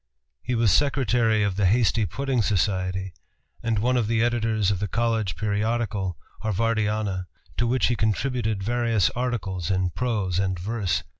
He was secretary of the Hasty Pudding Society, and one of the editors of the college periodical Harvardiana, to which he contributed various articles in prose and verse.